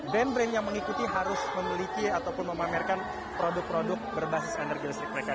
brand brand yang mengikuti harus memiliki ataupun memamerkan produk produk berbasis energi listrik mereka